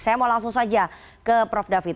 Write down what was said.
saya mau langsung saja ke prof david